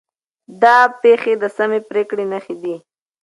دا بڼې د سمې پرېکړې نښې دي.